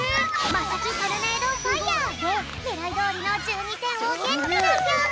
まさきトルネードファイアでねらいどおりの１２てんをゲットだぴょん！